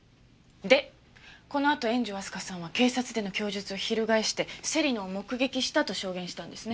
でこのあと円城明日香さんは警察での供述を翻して芹野を目撃したと証言したんですね。